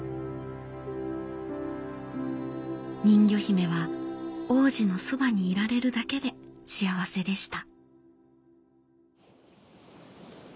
人魚姫は王子のそばにいられるだけで幸せでした。